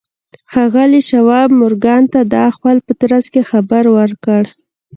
ښاغلي شواب مورګان ته د احوال په ترڅ کې خبر ورکړ